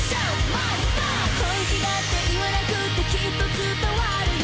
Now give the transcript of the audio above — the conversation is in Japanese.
「本気だって言わなくってきっと伝わるよ」